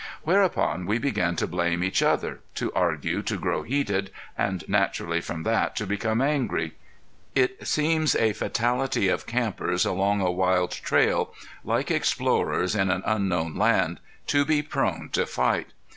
Whereupon we began to blame each other, to argue, to grow heated and naturally from that to become angry. It seems a fatality of campers along a wild trail, like explorers in an unknown land, to be prone to fight.